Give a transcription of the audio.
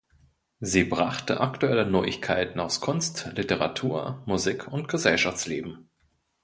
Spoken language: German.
Sie brachte aktuelle Neuigkeiten aus Kunst, Literatur, Musik und Gesellschaftsleben.